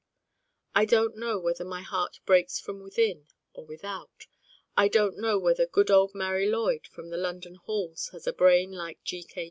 I Don't Know whether my heart breaks from within or without: I don't know whether 'good old Marie Lloyd' of the London 'halls' has a brain like G. K.